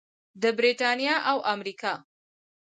د بریتانیا او امریکا.